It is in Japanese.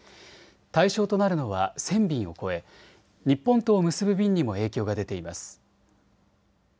対象となるのは１０００便を超え、日本とを結ぶ便にも影響が出ています。